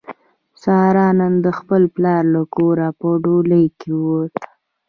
ساره نن د خپل پلار له کوره په ډولۍ کې ووته.